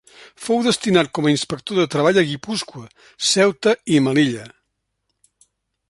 Fou destinat com a Inspector de Treball a Guipúscoa, Ceuta i Melilla.